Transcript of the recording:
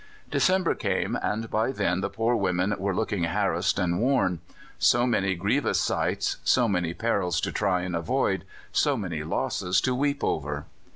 December came, and by then the poor women were looking harassed and worn: so many grievous sights, so many perils to try and avoid, so many losses to weep over.